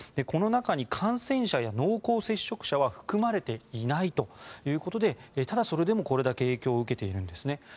この中に感染者や濃厚接触者は含まれていないということでただそれでもこれだけ影響を受けているんですね。